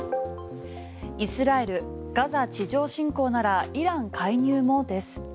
イスラエル、ガザ地上侵攻ならイラン介入もです。